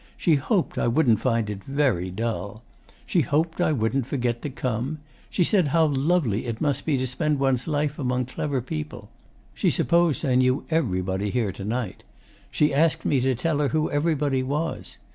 She hoped I wouldn't find it very dull. She hoped I wouldn't forget to come. She said how lovely it must be to spend one's life among clever people. She supposed I knew everybody here to night. She asked me to tell her who everybody was.